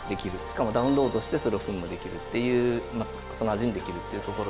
しかもダウンロードしてそれを噴霧できるっていうその味にできるっていうところで。